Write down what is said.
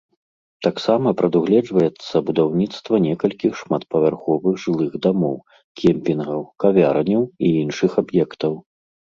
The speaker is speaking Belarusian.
Таксама прадугледжваецца будаўніцтва некалькіх шматпавярховых жылых дамоў, кемпінгаў, кавярняў і іншых аб'ектаў.